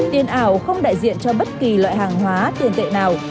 tiền ảo không đại diện cho bất kỳ loại hàng hóa tiền tệ nào